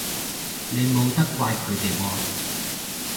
你冇得怪佢哋喎